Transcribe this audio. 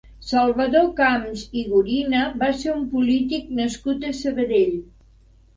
Salvador Camps i Gorina va ser un polític nascut a Sabadell.